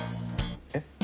えっ？